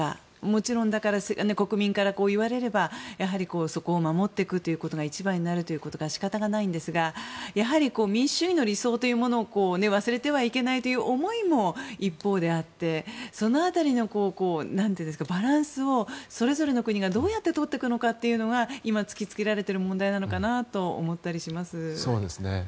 もちろん国民から言われればそこを守っていくということが一番になるということは仕方がないんですが民主主義の理想というものを忘れてはいけないという思いも一方であって、その辺りのバランスをそれぞれの国がどうやってとっていくのかが今、突き付けられている問題なのかなと思ったりします。